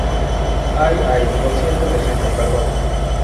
¡ ay, ay! lo siento, lo siento. perdone.